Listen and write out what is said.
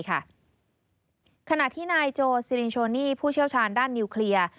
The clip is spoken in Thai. ขณะที่นายโจซิรินโชนี่ผู้เชี่ยวชาญด้านนิวเคลียร์